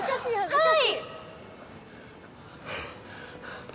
はい！